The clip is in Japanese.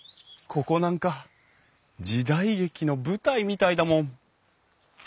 ここなんか時代劇の舞台みたいだもん。